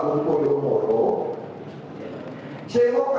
untuk itu ya